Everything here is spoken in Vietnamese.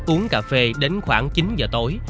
uống cà phê đến khoảng chín giờ tối